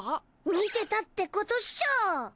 見てたってことっしょ！